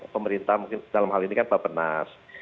pemerintah mungkin dalam hal ini kan bapak nas